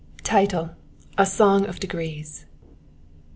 Title. — A Song of degrees.